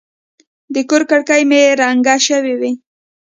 د کور کړکۍ مې رنګه شوې وې.